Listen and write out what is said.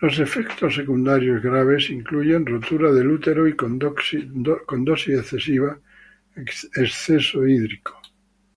Los efectos secundarios graves incluyen rotura del útero y con dosis excesivas, exceso hídrico.